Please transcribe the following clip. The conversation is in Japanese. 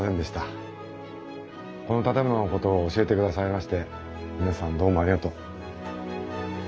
この建物のことを教えてくださいまして皆さんどうもありがとう。